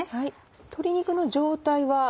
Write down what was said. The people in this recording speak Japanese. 鶏肉の状態は。